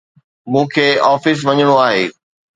مون کي آفيس وڃڻو آهي